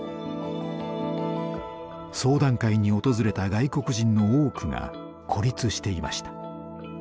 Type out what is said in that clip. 相談会に訪れた外国人の多くが孤立していました。